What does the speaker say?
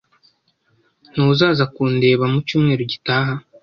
Ntuzaza kundeba mu cyumweru gitaha?